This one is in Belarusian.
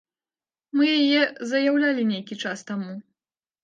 Мы яе заяўлялі нейкі час таму.